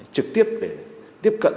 trực tiếp để tiếp cận